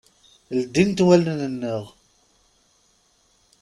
Ldint wallen-nneɣ.